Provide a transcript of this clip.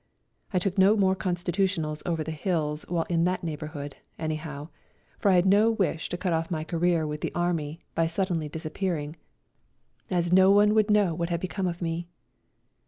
I took no more constitutionals over the hills while in that neighbourhood, anyhow, for I had no wish to cut off my career with the Army by suddenly disappearing, as no A RIDE TO KALABAX: 53 one would know what had become of me.